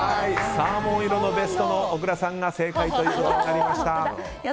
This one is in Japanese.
サーモン色のベストの小倉さんが正解となりました。